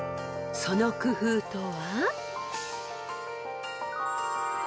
その工夫とは？］